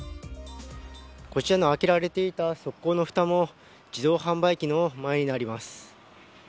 こちらの開けられていた側溝のふたも自動販売機の前になります。